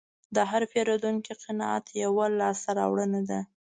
د هر پیرودونکي قناعت یوه لاسته راوړنه ده.